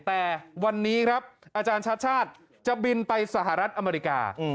แต่วันนี้ครับอาจารย์ชาติชาติจะบินไปสหรัฐอเมริกา